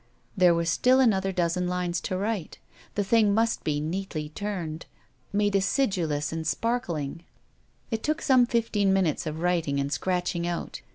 There were still another dozen lines to write. The thing must be neatly turned, made acidulous, and sparkling ; it took some fifteen minutes of writing and scratching out.